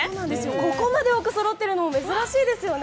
ここまで多くそろっているのも珍しいですね。